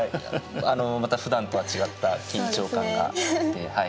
あのまたふだんとは違った緊張感があって。